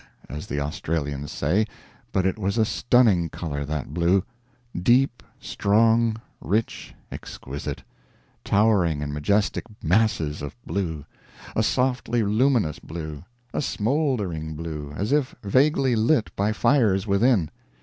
as the Australians say, but it was a stunning color, that blue. Deep, strong, rich, exquisite; towering and majestic masses of blue a softly luminous blue, a smouldering blue, as if vaguely lit by fires within.